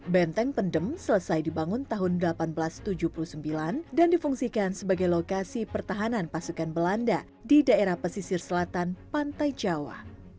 benteng pendem selesai dibangun tahun seribu delapan ratus tujuh puluh sembilan dan difungsikan sebagai lokasi pertahanan pasukan belanda di daerah pesisir selatan pantai jawa